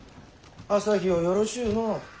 旭をよろしゅうのう。